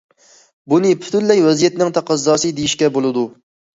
بۇنى پۈتۈنلەي ۋەزىيەتنىڭ تەقەززاسى دېيىشكە بولىدۇ.